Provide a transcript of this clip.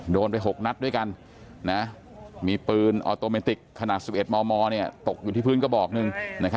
โดนไป๖นัดด้วยกันมีปืนออโตเมติกขนาด๑๑มมตกอยู่ที่พื้นกระบอกหนึ่ง